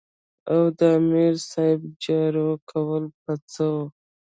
او د امیر صېب جارو کول به څۀ وو ـ